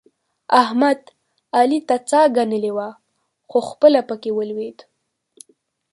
احمد؛ علي ته څا کنلې وه؛ خو خپله په کې ولوېد.